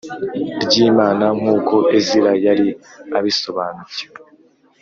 ryimana nkuko ezira yari abisobanukiwe